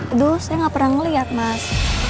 aduh saya gak pernah ngeliat mas